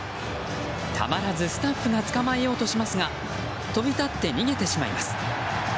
たまらずスタッフが捕まえようとしますが飛び立って逃げてしまいます。